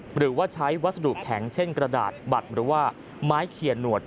หรือว่าใช้วัสดุแข็งเช่นกระดาษบัตรหรือว่าไม้เขียนหนวด